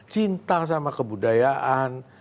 cinta sama kebudayaan